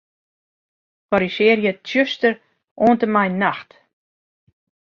Korrizjearje 'tsjuster' oant en mei 'nacht'.